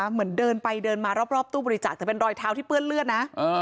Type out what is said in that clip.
เหมือนเดินไปเดินมารอบตู้บริจาคแต่เป็นรอยเท้าที่เปื้อนเลือดนะ